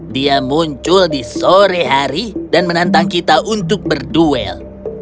dia muncul di sore hari dan menantang kita untuk berduel